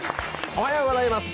おはようございます。